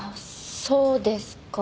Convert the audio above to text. そうですか。